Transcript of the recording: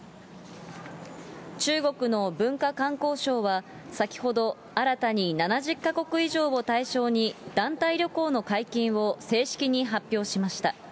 中国の文化観光省は先ほど新たに７０か国以上を対象に、団体旅行の解禁を正式に発表しました。